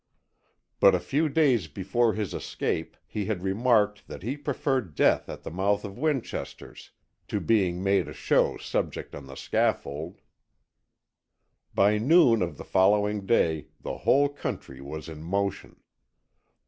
But a few days before his escape he had remarked that he preferred death at the mouth of Winchesters to being made a show subject on the scaffold. By noon of the following day the whole country was in motion.